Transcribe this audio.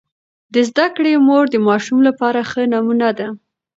د زده کړې مور د ماشوم لپاره ښه نمونه ده.